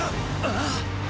ああ！